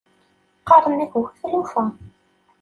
Qqaṛen-ak bu tlufa.